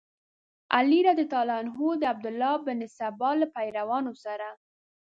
علي رض د عبدالله بن سبا له پیروانو سره.